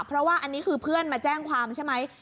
เพราะว่าอันนี้คือเพื่อนมาแจ้งความใช่ไหม